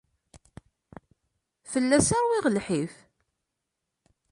Fell-as i ṛwiɣ lḥif.